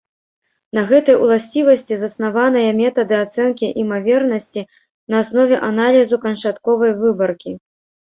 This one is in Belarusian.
На гэтай уласцівасці заснаваныя метады ацэнкі імавернасці на аснове аналізу канчатковай выбаркі.